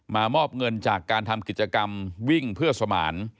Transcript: มอบเงินจากการทำกิจกรรมวิ่งเพื่อสมาน